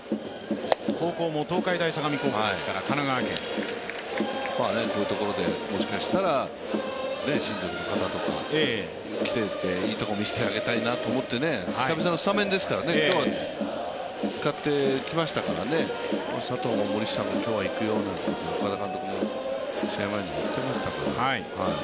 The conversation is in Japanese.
高校も東海大相模高校ですからこういうところでもしかしたら知ってる方とかが来てていいところを見せてあげたいなと思って、久々のスタメンですから今日は使ってきましたからね、佐藤も森下も今日はいくよなんて岡田監督も試合前に言ってましたんで。